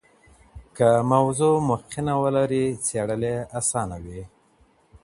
که موضوع مخینه ولري څېړل یې اسانه وي.